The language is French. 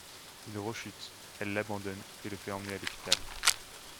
Il rechute, elle l'abandonne et le fait emmener à l'hôpital.